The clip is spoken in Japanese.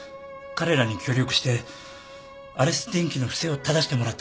彼らに協力してアレス電機の不正をただしてもらった方が。